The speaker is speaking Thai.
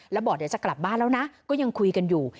แล้วบอกเดี๋ยวจะกลับบ้านแล้วนะก็ยังคุยกันอยู่